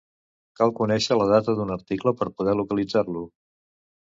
Cal conèixer la data d'un article per poder localitzar-lo.